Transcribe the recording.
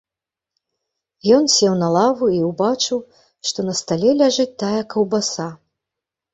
Ён сеў на лаву і ўбачыў, што на стале ляжыць тая каўбаса.